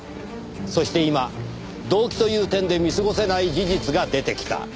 そして今動機という点で見過ごせない事実が出てきた。